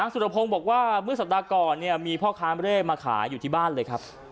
สุรพงศ์บอกว่าเมื่อสัปดาห์ก่อนมีพ่อค้าเร่มาขายอยู่ที่บ้านเลยครับ